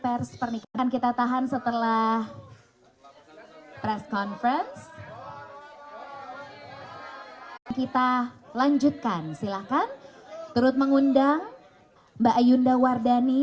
boleh cerita awal itu kalian ketemu dimana sih